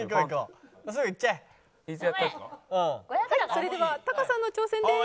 それではタカさんの挑戦です。